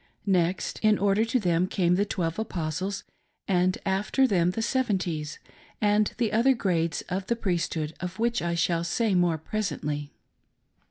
Next in order to them came the "Twelve Apostles," and after them the "Seven ties," and the other grades of the Priesthood, of which I shall say more presently.